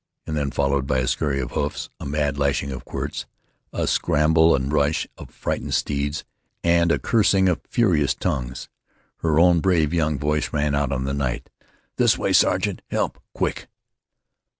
and then, followed by a scurry of hoofs, a mad lashing of quirts, a scramble and rush of frightened steeds, and a cursing of furious tongues, her own brave young voice rang out on the night. "This way, sergeant! Help Quick!"